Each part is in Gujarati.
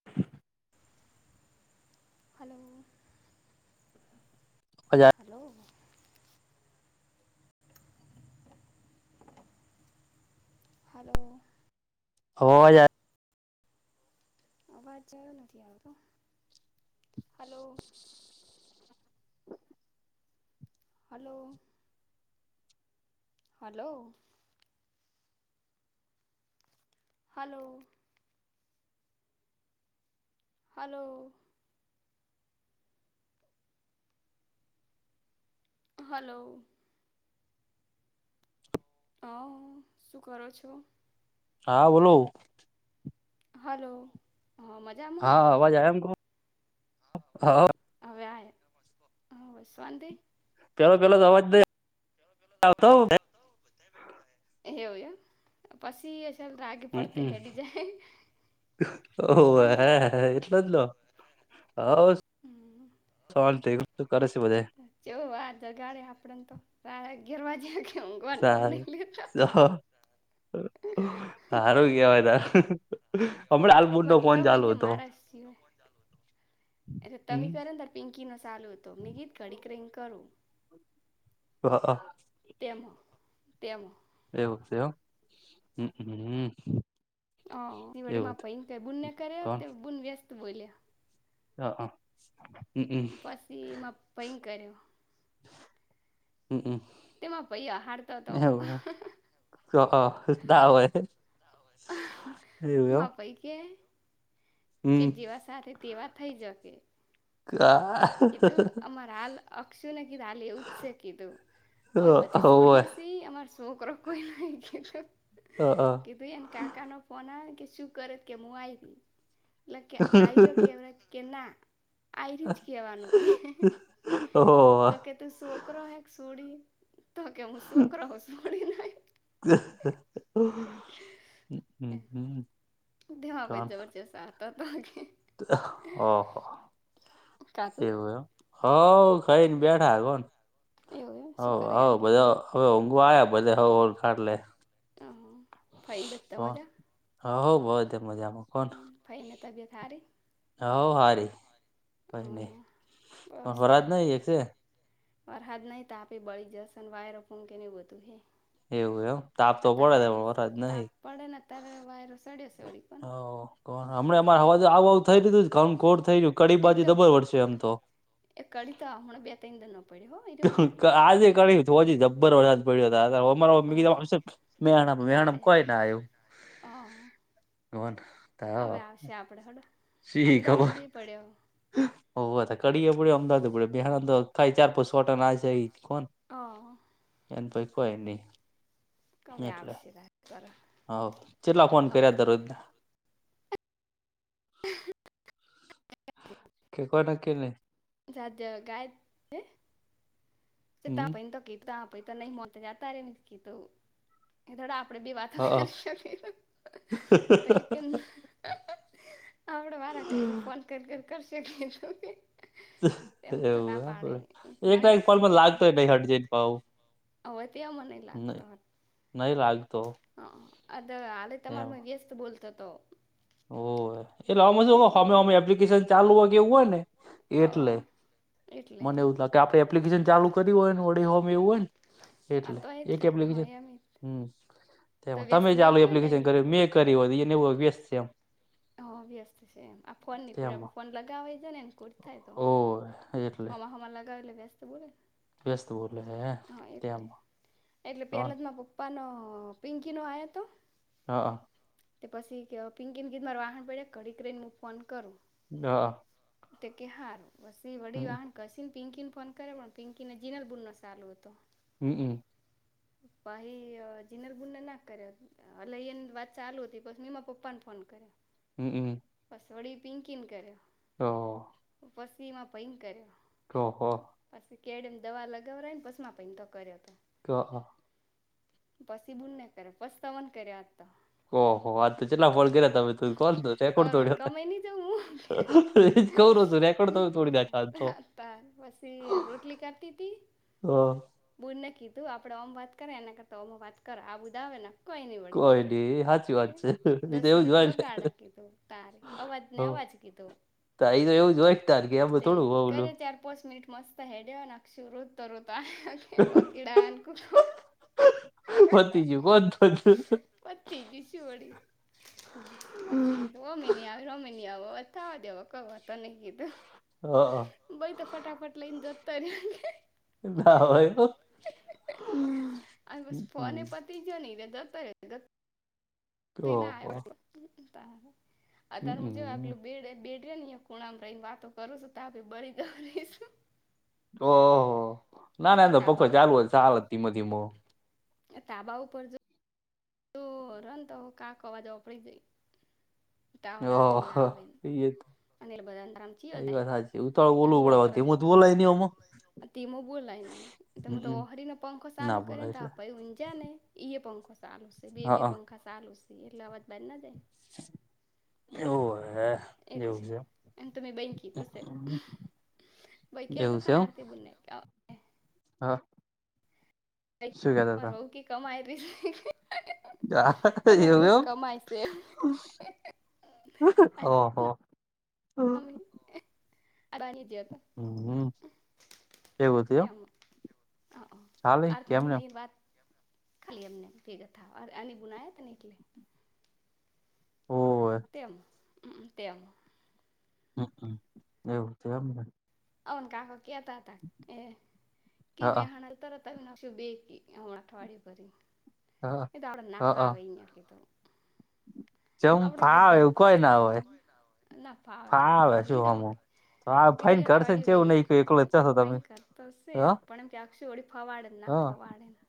[inaudible] હલો. હજ [unintelligible] હલો. હલો. હોવા જ અવાજ જો નથી આવતો, hello. [inaudible] Hello. Hello. Hello. Hello. Hello. હ શું કરો છો? હા બોલો. હલો હા મજા હા આવાજ આમ તોહ હ હવે્યા હ વશવાંતે પેલો પેલો અવાજ ન આવતો [unintelligible] એવું એમ. પછી ચલ રાગે પડતે હમ હેડી જાય. શોંતિ હ એટલો જ લો હ હમ શ કરે છે બધે. જો આ જગાડે આપડને તો સાડા અગિયાર વાગે ઊંઘવાન નોમ નહી લેતા. તો સારું કેવાય તાન. [unintelligible] બધા સુઇ ગયા મારા સિવાય. તમે હમ કરો ને ત્યા પિંકી ન ચાલુ હતો. મીહીત ઘડીક રઈ ન કરું. હઅ હ તેમાં તેમાં એવું થયું એમ. હહહ હ દિવાળી માં ભઈને ઘેર બુનને કર્યા તે બૂન વ્યસ્ત બોલ્યા હ હા પછી માર ભઈ ન કર્યો. હમ હમ તે માર ભાઈ આહાર તો તો હક. ના હોય. માર ભાઈ કે કે જેવા સાથે તેવા થઇ જકે કા કીધું અમારે હાલ અક્ષુને કીધું હાલ એવું જ છે કીધું ઓય બધી સોડયો સી. અમાર છોકરો કોઈ નહીં કીધું. હ હ એતો એન કાકા નો ફોન આવે કે શું કરે? કે હું આ રહી. એટલે કે આઈરો કેવાય. તો કે ના આઈ કેવાનુ કે તો કે તું છોકરો હે કે સોડી. તો કે હું છોકરો હું સોડી નઈ હ હ હમ દવા [unintelligible] જબરજસ્ત આતો તો ઓહ, કાકુ એવું એમ. હઉ. ખઈ ને બેઠા જુઓન એવું એમ હ શું કરે હ અનિલ બધા ભાઈ હવે ઊંઘવા આવ્યા. બધા હઉ હઉ ના ખાટલે. હ, ફઇ ને બધા મજા? હઉ, બધા મજામાં હોન. ફાઈને તબિયત સારી હઉ હારી. ફઈની અહ પણ [unintelligible] એક છે વરહાદ નહી. તાપે બળી જસે ને વાયરો ફૂંકે ન બધું હે એવું એમ તાપ તો અત્યારે પડે છે પણ વાયરસ વરસાદ નહી તાપ પડેને અત્યારે વાયરો સડ્યો છે ઓડી પણ કો હમણા અમાર અવાજ આવ આવું થઈ રહયું. કામકોર થઈ ગયું કડી એ બાજુ તો જબર વરશે એમ તો એમ તો એ કડી તો હમણાં બે ત્રણ દન પડ્યો હો એ આજે વરસાદ કડી જબ્બર વરસાદ પડ્યો હતો અ [unintelligible] મે કીધું આવશે મેહોણામા. હા ના મેહોણામા કોય ના આયુ. આવ્યો હવે આવશે આપડે હેડો શી ખબર. હવ તે કડી અમદાવાદમાં પડયો. મેહોણામા તો ખાલી ચાર પાંચ છાંટા નાખ્યા ઈ જ કો હ એન પૈ કોઈની કમે આવશ્ય વાત કર હઉ, ચેટલા ફોન કર્યા દરરોજના. અ હ. કેકવાના કે નઈ? જાતેવા ગાય ને. તે તા હમ ભઈન તો ગીતા પહી તો નહીં મોન જાતારે એમ જ કીધું. એ થોડા આપડે બી વાતો હ કરી શકીએ તો ઈ કેમ આપડે વારા કરીએ ફોન કર કરશે કે એમ તો ના એવું પાડે આપડે ઈ એક મા ના નઈ એક કોલમાં કરવું. લાગતો નહી હટજે અવ તે મનેલા. નઈ લાગતો. હ અત આલે તમાર એમ મ વ્યસ્ત બોલતો તો. ઓવે એટલે આમાં શું એટલે હામે હામે એપ્લિકેશન ચાલુ હોય કે એવું હોય ને અ એટલે એટલે. મને એવું લાગે આપણે એપ્લિકેશન ચાલુ કર્યું હોય ને વડી હોમે એવું હોય ન. અ આ એટલે તો એ જ એક થાય હા એપ્લિકેશન એમ તો હમ્મ વ્યસ્ત તમે ચાલુ બોલતો હોય ને એપ્લિકેશન ડાયરેક્ટ કર્યું મેં કર્યુ હો ઈને ઓ વ્યસ્ત છે એમ. હ વ્યસ્ત છે એમ આ ફોન નીકોડે તેમાં આપડે ફોન લગાવાઈ જોયને એન કુટ થાય તો. હ એ હમાર લગાવેલ લગાવેસ તો બોલે. વ્યસ્ત બોલે હે હા ત્યાં કોન? પન પિંકીનો આયો તો? હ. તે પસી કેવ પિંકીને કીધ માર વાહણ પડ્યા ઘડીક રહીને મુ ફોન કરું. હ. તે કે હારુ પસી વડી હમ વાહણ ઘસીને પિંકીને ફોન કર્યો પણ પિંકીને જીનલ બૂનનો સાલુ હતો. હમ્મ અ પહી અ જીનર બુનને ના કર્યો અલ ઈન વાત ચાલુ હતી પછી મેં પપ્પાન ફોન કર્યો. હમ્મ અ પસ વડી પિંકીન કર્યો. હવ. પછી માર ભય્ન કર્યો. ઓહો. પસી કેળેમ દવા લગાવરાઈન પસમાં ભઈ ન તો કર્યો તો. ક્યો હ. પસી બુંનને કર્યો પસ તમને કર્યો આજ તો. ઓહો વાત ચ ચેટલા ફળ કર્યા તમે કો રેકોર્ડ ચેકો્ડ હવારમાં તોડ્યો કમાઈ ની જઉં હ એજ કઉન હું ને. પા પા પા પસી રોટલી કરતી તી. હ. બુને કીધું આપડે ઓમ વાત કરાય એના કરતાં ઓમ વાત કરો આવવું હોય તો આવેન વળી કોઈની વળી કોઈ કીધું. નઈ સાચી એ વાત છે એ તો દસ એવું જ મિનિટ હોય ને બગાડ હ કીધું તારી અવાજને અવાજ કીધું. તો એવું જ હોય તાર કે એમાં તે થોડું હોલું કરે ચાર પોસ મિનિટ મસ્ત. તો હેડયોને અક્ષુ રોતો રોતાં વકિડા નકુ પતી ગયું [unintelligible] પતી ગયું શું વળી. પછી કીધું ઓમે ની આવે ઓમેય ની આવ થાવા દેવો કો વાંધો નહીં કીધું. હ અ. બઈ તો ફટાફટ લઈને જતો રયો કે. ના હોય હો. અને પસી ફોને હમ પતી જ્યો ને ઈવે જતો રે. તી ના ઓહો અતાર મુ જે હમ આપલું બેડ બેડ હેન યો ખૂણામ રહીને વાતો કરું છું તાર બળી ગ રહીશું. ઓહ હો હો ના અને ના તો એ ચો પખો તાબા ચાલુ હોય તો હાલે ધીમો ધીમો. એ તાબા ઉપર જો ઓ રન તો કાક અવાજ ઓપડી જઈ ટાવર આવેન ના આવે. યેક એટલે બધાં ન આમ ચીયો જાઈ ઉતાળું આમ બોલવું ગોળ પડે હવે કરત. ધીમું તો બોલાય નહી આમાં તેમાં બોલાય ને તમે તો હમ ઓહરીનો પંખો સાલુ ના કરેને બોલાય તો એટલે આપ ઊંજાને ઈએ પંખો સાલુ શે, બે- બે હા પંખા સાલુ શે એટલે અવાજ બાર ના જાય. એવું હે એવું એટલે છે એમ તો બયન કીધું શે. એમ. ભઈ એવું કહેતા તા છે ને એમ આરતીબુનને. હા શું કેતા અઈ રઉ કે કમાય રી હતા અમાર એવું વહુ એવું કમાય શે. ઓહો. અબાની હમ્મ હમ્મ, કેવું થયું? હ અ કેમને આરતીબુનની ઈ વાત ખાલી એમને કયરાથા આની બુન આયા તાન એટલે. હોવે. તેમ અમ તેમ. હમ્મ એવું થયું એમને? અન કાકો કેતાતા એ હ કી મેહોણાંમ તરત તલ ના શું બેકી એમાં અઠવાડિયું કર્યું હ એતો આપણે ના હ ફાવે ઈયા કીધું. જેમ આપડે કીધું ફાવે ના એવું કોઈ ફાવે હોય ના ફાવે કીધું શું હમું ઈનોતો તો આ કે બે ફાઈન કરશે ને અઠવાડિયું કેવું નહી એકલો જ રહીને જશો તમે ફાઈન કરતો હશે હ પણ એમ ક્યાં સોડી ફવાડે હ ના ફવાડેના.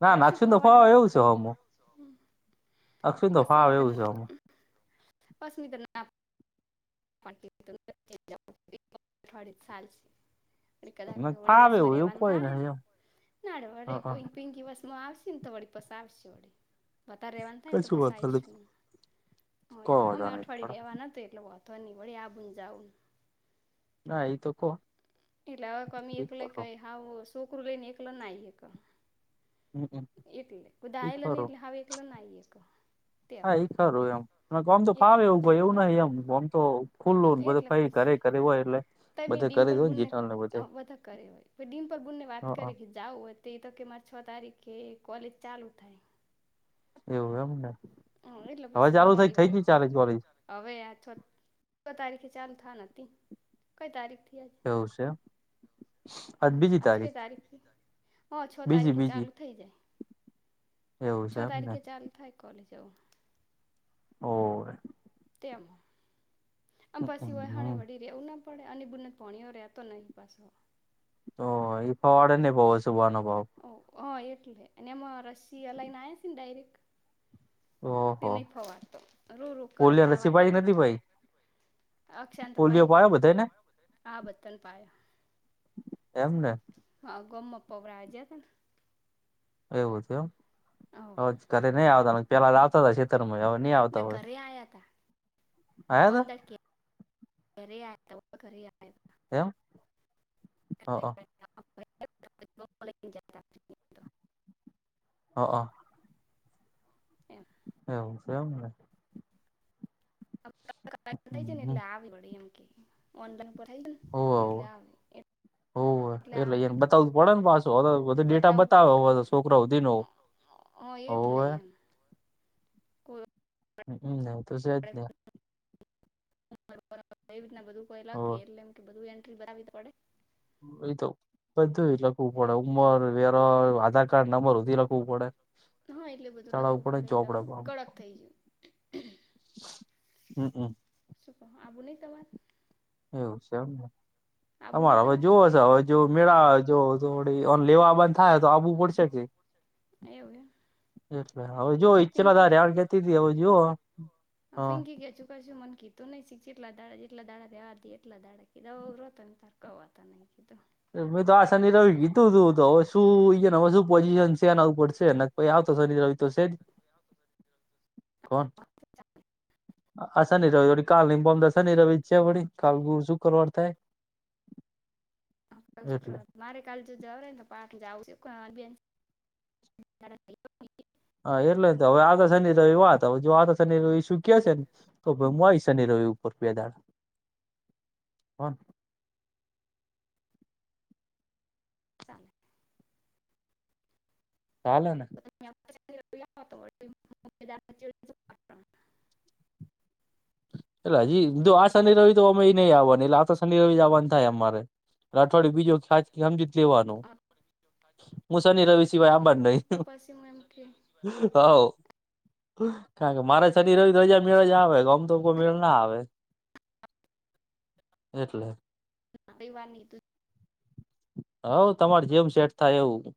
ના ના અક્ષુ અક્ષુન તો ફવાડેને ફાવે ના એવું છે હમુ ફવાડ હમ્મ. અક્ષુન તો ફાવે એવું છે હો. પસનીતો ના પણ કીધું [inaudible] એક અઠવાડીયું સાલશે. કદાચ ફાવે મોડીવાસમાં એવું એવું રેવાનું કોઈ થાયે. નહિ એમ નારે હ વળી પીંકી બસમાં આવશે ન તો વળી પસ આવશે વળી. વધારે રેવાનું થાય નેતો કશું પસી વાંધો નહી આઈશુ હોએ કો ઓમે વાંધો નહી અઠવાડિયુ રેવા નથી એટલું બ ધની વળી આપણું જાઉં. હા ઈ તો કો. એટલે અવે કો ઈ એકલ કરો કોઈ હાવ સોકરુ લઈને એકલો ના આઈ હકો. એટલે કોઈ દા ઈ આઈલા કરો નઈ એટલે હવે એકલા ના આઈ હકો. હા એ ખરું એમ એમ કોમ તો ફાવે એટલે એવું ભઈ એવું નહિં ઓમ તો ખુલ્લું બધું ભઈ ઘરે ઘરે હોય એટલે. તોય મેં બધે કરી દો ને ડિમ્પલબુનને જીટલ ને બધે અ બધાં કરે અવે ડિમ્પલબુનને વાત હ કરે કે જાઉં હોય તો એ તો કે મારે છ તારીખે કોલેજ ચાલુ થાય. એવું એમ ને. હ એટલે હવે પસી હું ચાલુ થઈ થઈ ગઈ મોડીવાળુ. ચાલે કોલેજ હવે આ છ છ તારીખે ચાલું થાન હતી, કંઈ તારીખ થઈ આજ? એવું શે એમ? હ આજ કઈ તારીખ થઈ? હ છ બીજી તારીખે બીજી ચાલુ થઈ જાય. એવું છ છે એમને તારીખે ચાલું થાય કોલેજ આવું. ઓહ! એમ અન પસી વહાણે હમ વળી કેવું ન પડે અને અની બુનને ભોણીયો રેતો નહીં પાસો. તો ઈફાવાડાને બોવ હશે અનુભવ. ઓહ એટલે અને એમાં રસીયા લઈને આયા હશેન ડાયરેક્ટ. તે ઓહો નહીં ફવાડતો રૂ રૂ કરે પોલિયો તાવ રસી આયો પાઈ હે. નથી ભાઈ અક્ષાંન તો પાઈ પોલિયો તી પાયો બધાને હા બધાને પાયા. એમને. હ ગોમમા પવરાયા જ્યાં તાન. એવું થયું હો એમ હવે ઘરે નહીં આવતાં પેલાં લાવતાં તા છેતરમાં હવે નહીં આવ ના ઘરે આયા તા. આયા પમતા ઘરે આયા થા હો ઘરે આયા. એેમ હ અ. [inaudible] જ્યાંતા. હ અ. એમ. એવું છે એમ ને. [inaudible] થઈ જયુને હમ એટલે આવે વળી એમ કે ઓનલાઈન પણ થઈ ગયું હોવે ન હોવે એટલે આવે. હોવે એટલે આવી એને બતાવું પડે ને પાછું હવે તો બધો ડેટા બતાવું પડ બતાવે હવે કરન. તો છોકરા હુધીનો અ એટલે હોવે એમ. કોઈ હમ્મ ને તો છે જ નહે. બરાબર એવી રીતના બધું કોઈ લખી હોવે એટલે એમ કે બધું એન્ટ્રી બતાવી પડે. એ તો બધુંય લ વું એમ પડે ઉંમર, વેરો, આધાર કાર્ડ નંબર હુધીય લખવું પડે. હા એટલે બધું ચડાવવું લખવું પડે એટલે ચોપડે બધું કડક થઈ ગયું. હમ્મ અમ. શું કો આવવું નય તમાર? એવું શે એમને? આબુ તમાર નહીં અરે હવે જોવો હશે હવે જો મેળા જો થોડી અન લેવા બંધ થાય તો આવવું પડશે કે. [unintelligible] એવું હે. એટલે હવે જોઓ ઈચ્છેલા તારે રેવાન કેતી તી હવે જોઓ હ. એ ચુ કોછો મન કી તો નહીં શીખ જેટલા દાડા જેટલા દાડા રેવાતી એટલા દાડા કીધા ઓર રતન તારકાવતા નઈ કીધું. મેં તો આ શનિ રવિ કીધું તું તો હવે શું ઈર રહ્યા ન શું પોઝિશન શેન આવું પડશે પહી આવતો શનિ રવિ તો છે જ. કોક. આ શનિ રવિ વળી કાલ નઈ ન પરમ દાળ શનિ રવિ છે જ કાલ ગુરુ શુક્રવાર થાય. હ કાલ એટલે શુક્રવાર. મારે કાલે જો જવારાને તો પાક જાઉ છે કોણ અણબી [inaudible] હા એટલે જ ને અવે આવતા શનિ રવિ વાત જો આવતો શનિ રવિ શું કે છે ઓ ભઈ મુ આઈસ શનિ રવિઉપર બે દાડ હો. ચાલે. ચાલેને? તમે આવતા શનિ રવિ આવોન તો [inaudible] એટલે હજી ઈક દો આ શનિ રવિ તો ઓમેય નહીં આવાની એટલે આવતા શનિ રવિ જ આવાન થાય અમારે. રાઠોડ ડુબી જવ થાત હમજી જ લેવાનું. હું શનિ રવિ સિવાય આવાન નહીં. બેન તો પછી હું એમ કે હા કારણ કે મારે શનિ રવિ રજા મેળે જ આવે ઓમ તો કોઈ મેળ ના આવે એટલે. રઈવારની તું હવ તમાર જેમ સેટ થાય એવું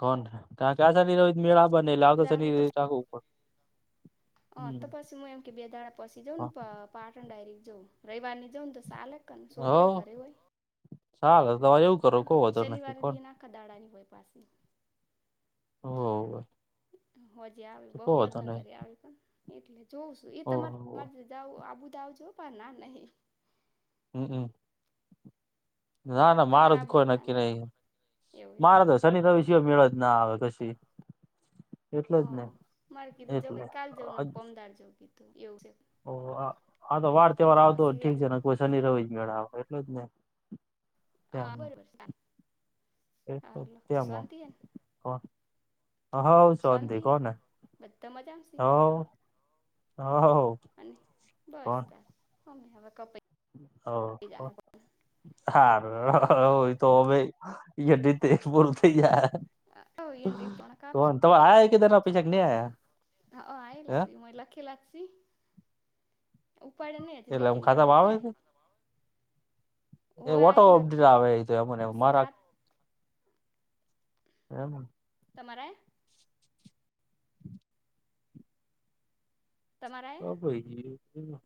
કોન તાર. કે આ શનિ રવિ મેળ આ બને એટલે આવતા જવાનું શનિ રવિ રાખવું પડે. હ હમ તો પછી હું એમ કે બેદાણા પછી જઉં પ પાટણ ડાયરીક જઉ રવિવાર ની જઉ ને તો સાલેક કર ને છોકરાએ હવ ઘરે હોય ચાલે તમારે એવું કરો કો વાંધો નહી શનિવારે કોણ દી એ આખા દાડાની હોય પાછી હો હોજી આવી બપોર ઘરી આવી પણ એટલે જોઉં છું એ તમારે ઓહો તમારે જાઉં આબુ જ હોય આવજો પણ ના નહી હમ્મ ના ના તમારે મારું જ આબુ કોઈ ના નક્કી નહીં નહિ એવું એમ મારે તો શનિ રવિ સિવાય સિવાય મેળ જ ના આવે પછી હ મારે કીધું જવાઈ કાલ જવું પમદાર જવું કીધું એવું છે. ઓ હા તો વાર એ તહેવાર તો આવતો પછી એમ ઠીક છે ને કોઈ શનિ રવિ જ મેળ આવે એટલે જ નહી હા બરાબર એટલે બીજી તેમ શાંતિ હે ને હવ શાંતિ શોંતિ કોને બધા મજામ શે હઓ અને બસ ચાર ઓમે હવે કપ હ હ હારુ હો હમ હોય તો ઈયન રીતે હવે પૂરું થઈ જાહે કોણ તમાર આયા એકેદાર ના પૈસા આયા કે નહીં આયા. હ અ આયલા હે સે મોએ લખેલા સી ઉપાડે નહી બે એટલે આમ ત્રણ દાડા ખાતામાં આવે થયા હી એક ઓટો અબ આવે તો એમન હશે મારા ખાત એમ તમાર આયા તમારા આયા અ [unintelligible] કી